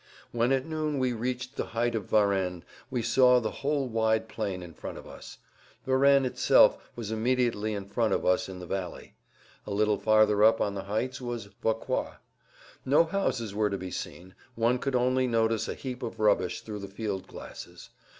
When at noon we reached the height of Varennes we saw the whole wide plan in front of us. Varennes itself was immediately in front of us in the valley. A little farther up on the heights was Vauquois. No houses were to be seen; one could only notice a heap of rubbish through the field glasses.